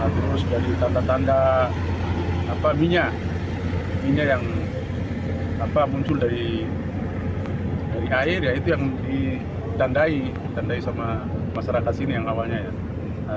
terus dari tanda tanda minyak yang muncul dari air itu yang ditandai sama masyarakat sini yang awalnya